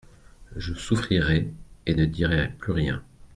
Je souffrirai, et ne dirai plus rien.